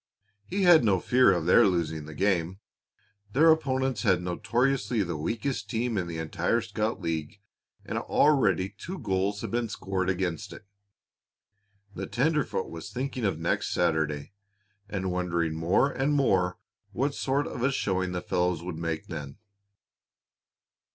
He had no fear of their losing the game. Their opponents had notoriously the weakest team in the entire scout league, and already two goals had been scored against it. The tenderfoot was thinking of next Saturday, and wondering more and more what sort of a showing the fellows would make then.